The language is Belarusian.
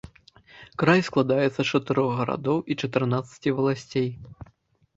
Край складаецца з чатырох гарадоў і чатырнаццаці валасцей.